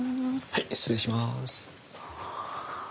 はい失礼します。